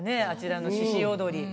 あちらの鹿子踊。